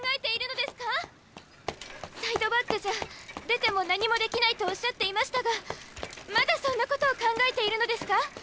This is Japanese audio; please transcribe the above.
サイドバックじゃ出ても何もできないとおっしゃっていましたがまだそんなことを考えているのですか？